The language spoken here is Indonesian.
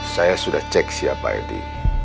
saya sudah cek siapa edi